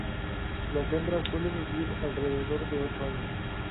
Las hembras suelen vivir alrededor de ocho años.